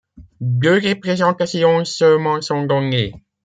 Deux représentations seulement sont données.